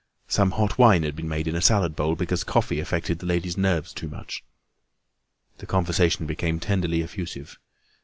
Some hot wine had been made in a salad bowl because the coffee affected the ladies' nerves too much. The conversation became tenderly effusive.